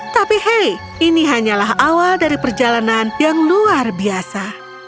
tapi hey ini hanyalah awal dari perjalanan yang luar biasa